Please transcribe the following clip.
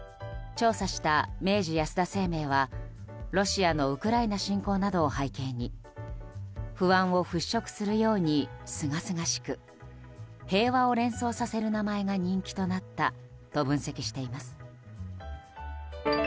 調査した明治安田生命はロシアのウクライナ侵攻などを背景に不安を払拭するようにすがすがしく平和を連想させる名前が人気となったと分析しています。